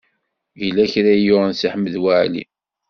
Yella kra i yuɣen Si Ḥmed Waɛli.